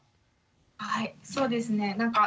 はいそうですねなんか